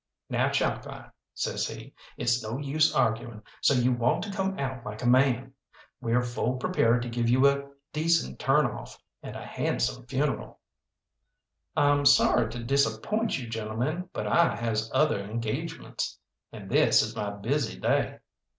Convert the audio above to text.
"Now, Chalkeye," says he, "it's no use arguing, so you want to come out like a man. We're full prepared to give you a decent turn off, and a handsome funeral." "I'm sorry to disappoint you, gentlemen, but I has other engagements, and this is my busy day."